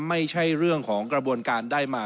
ไม่ใช่เรื่องของกระบวนการได้มา